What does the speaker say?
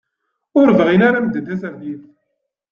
Ur bɣin ara medden tasertit.